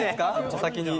お先に。